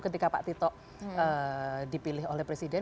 ketika pak tito dipilih oleh presiden